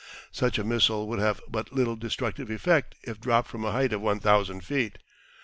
Such a missile would have but little destructive effect if dropped from a height of 1,000 feet.